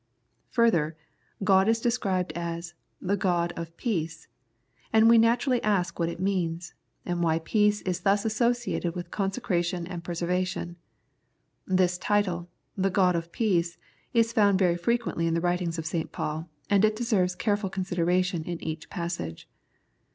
, Further, God is described as " The God of Peace," and we naturally ask what it means, and why peace is thus associated with con secration and preservation. This title, " The God of Peace," is found very frequently in the writings of St. Paul, and it deserves care ful consideration in each passage.